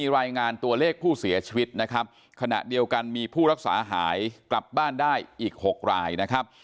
รายงานตัวเลขผู้เสียชีวิตนะครับขณะเดียวกันมีผู้รักษาหายกลับบ้านได้อีก๖รายนะครับ